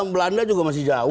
belanda juga masih jauh